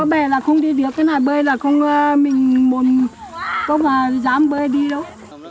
mua bè là không đi được cái này bơi là không mình có mà dám bơi đi đâu